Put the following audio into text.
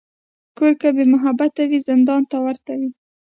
کور که بېمحبته وي، زندان ته ورته وي.